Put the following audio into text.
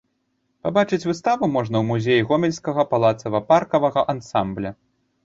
Пабачыць выставу можна ў музеі гомельскага палацава-паркавага ансамбля.